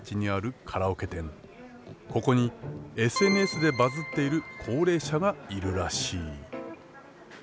ここにＳＮＳでバズっている高齢者がいるらしい。